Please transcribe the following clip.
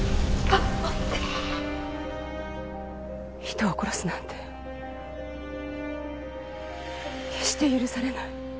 人を殺すなんて決して許されない。